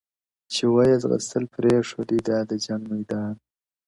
چي وه يې ځغستل پرې يې ښودى دا د جنگ ميدان،